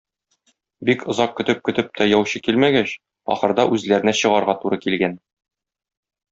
Бик озак көтеп-көтеп тә яучы килмәгәч, ахырда үзләренә чыгарга туры килгән.